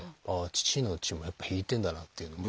父の血もやっぱ引いてんだなっていうのを。